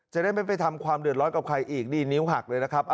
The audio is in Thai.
จะได้ไม่ไปทำความเดือดร้อนกับใครอีกนี่นิ้วหักเลยนะครับ